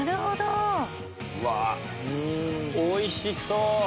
おいしそう！